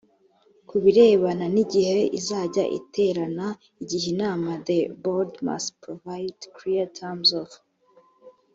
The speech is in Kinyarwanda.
ku birebana n igihe izajya iterana igihe inama the board must provide clear terms of